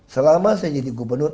selama saya jadi gubernur